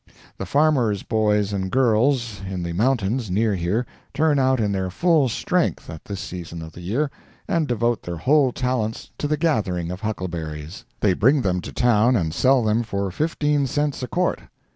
The farmers' boys and girls in the mountains near here turn out in their full strength, at this season of the year, and devote their whole talents to the gathering of huckleberries. They bring them to town and sell them for fifteen cents a quart.